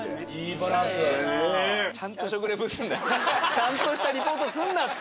ちゃんとしたリポートすんなって。